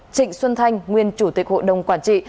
trịnh xuân thanh nguyên chủ tịch hội đồng quản trị